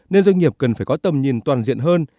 nên doanh nghiệp cần phải có tầm nhìn toàn diện hơn